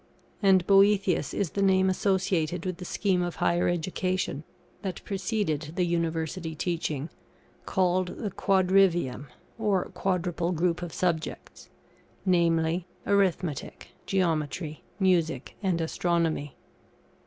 And Boëthius is the name associated with the scheme of higher education that preceded the University teaching, called the quadrivium, or quadruple group of subjects, namely, Arithmetic, Geometry, Music and Astronomy.